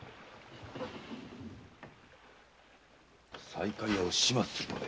西海屋を始末するので？